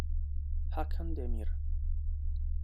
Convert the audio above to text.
Hakan Demir